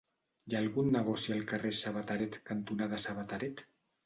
Hi ha algun negoci al carrer Sabateret cantonada Sabateret?